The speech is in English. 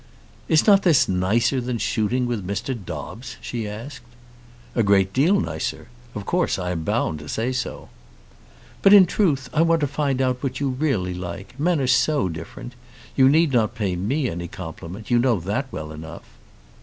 "Is not this nicer than shooting with Mr. Dobbes?" she asked. "A great deal nicer. Of course I am bound to say so." "But in truth, I want to find out what you really like. Men are so different. You need not pay me any compliment; you know that well enough."